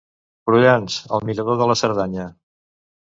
Prullans, el mirador de la Cerdanya.